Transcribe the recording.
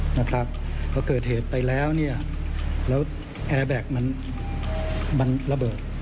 เพราะเกิดเหตุไปแล้วเนี่ยแล้วแอร์แบ็คมันระเบิด